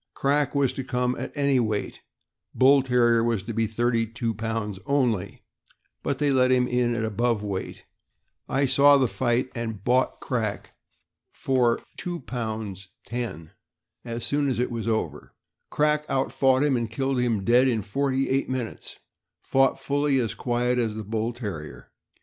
Crack was to come any weight; Bull Terrier was to be thirty two pounds only, but they let him in at above weight. I saw the fight, and bought Crack for THE AIREDALE TERRIER. 461 £2 10s. as soon as it was over. Crack outfought him, and killed him dead in forty eight minutes, and fought fully as quiet as the Bull Terrier.